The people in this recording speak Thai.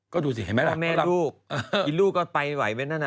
ก็ดูสิให้แม่ลูกก็รับ